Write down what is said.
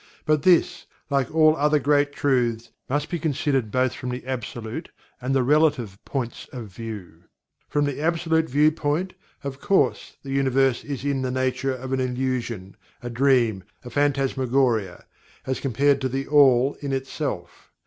But this, like all other great truths, must be considered both from the Absolute and the Relative points of view. From the Absolute viewpoint, of course, the Universe is in the nature of an illusion, a dream, a phantasmagoria, as compared to THE ALL in itself.